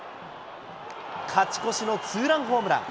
勝ち越しのツーランホームラン。